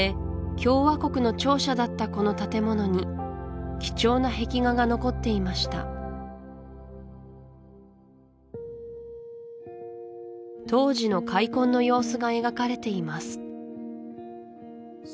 共和国の庁舎だったこの建物に貴重な壁画が残っていました当時の開墾の様子が描かれています